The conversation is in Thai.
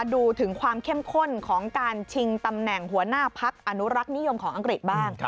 ดูถึงความเข้มข้นของการชิงตำแหน่งหัวหน้าพักอนุรักษ์นิยมของอังกฤษบ้าง